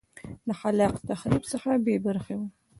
د خلاق تخریب څخه بې برخې وه